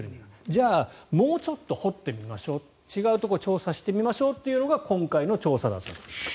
じゃあもうちょっと掘ってみましょう違うところ調査してみましょうというのが今回の調査だったと。